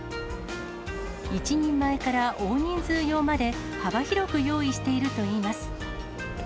１人前から大人数用まで、幅広く用意しているといいます。